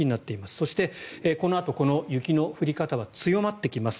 そして、このあとこの雪の降り方は強まってきます。